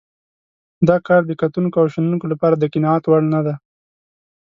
دا کار د کتونکو او شنونکو لپاره د قناعت وړ نه دی.